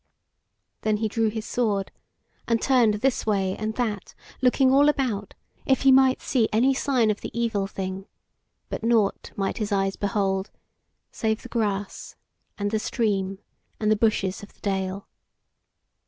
Then he drew his sword, and turned this way and that, looking all about if he might see any sign of the Evil Thing; but nought might his eyes behold, save the grass, and the stream, and the bushes of the dale.